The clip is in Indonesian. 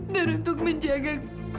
dan untuk menjaga